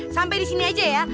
sampai di sini aja ya